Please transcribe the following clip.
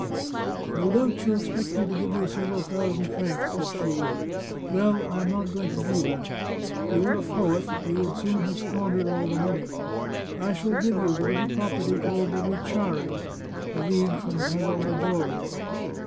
" No doubt you expect me to give you several thousand francs," said she. " Well, I am not going to do that. You are a poet ; you would soon have squandered all the money. I shall give you the little property called the Ricciarda, a league from Casal Maggiore."